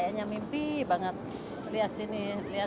hai makanya mimpi banget lihat sini lihat